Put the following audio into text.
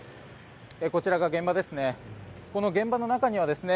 こちらが現場ですね。